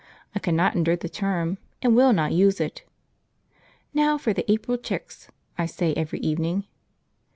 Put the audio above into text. I cannot endure the term, and will not use it. "Now for the April chicks," I say every evening.